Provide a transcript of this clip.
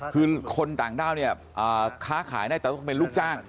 คือคนต่างด้าวเนี่ยค้าขายได้แต่ต้องเป็นลูกจ้าง